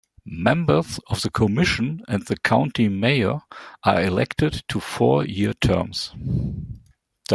Members of the commission and the county mayor are elected to four year terms.